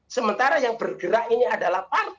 sementara yang bergerak ini adalah partai